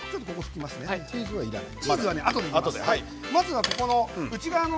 チーズはあとで入れます。